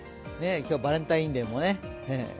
今日、バレンタインデーもね。